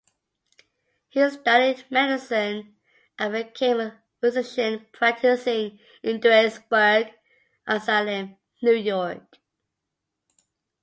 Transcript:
He studied medicine and became a physician practicing in Duanesburg and Salem, New York.